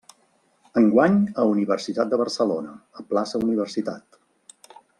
Enguany a Universitat de Barcelona, a Plaça Universitat.